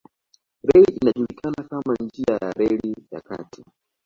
Reli ilijulikana kama njia ya reli ya kati